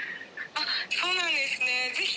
そうなんですね。